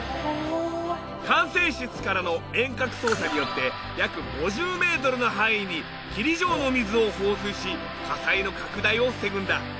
管制室からの遠隔操作によって約５０メートルの範囲に霧状の水を放水し火災の拡大を防ぐんだ。